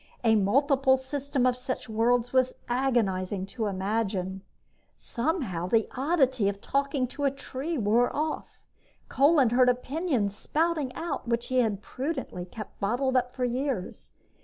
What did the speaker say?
A multiple system of such worlds was agonizing to imagine. Somehow, the oddity of talking to a tree wore off. Kolin heard opinions spouting out which he had prudently kept bottled up for years.